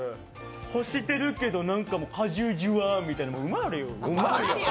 干してるけど、果汁ジュワみたいなうマーリオ！